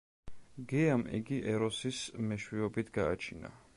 გეამ იგი ეროსის მეშვეობით გააჩინა.